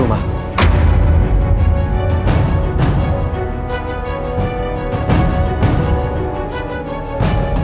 apa yang kamu usahakan